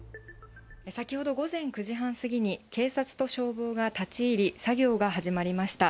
先ほど午前９時半過ぎに警察と消防が立ち入り、作業が始まりました。